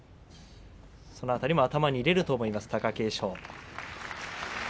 その辺りも頭に入れると思います、貴景勝。